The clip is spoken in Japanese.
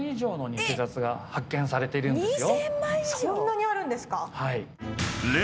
そんなにあるんですか